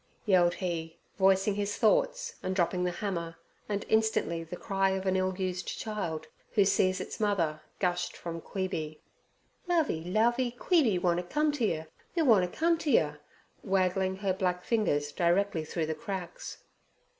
yelled he, voicing his thoughts and dropping the hammer, and instantly the cry of an ill used child who sees its mother gushed from Queeby. 'Lovey, Lovey, Queeby wanter come ter yer. Me wanter come ter yer,' waggling her black fingers directingly through the cracks.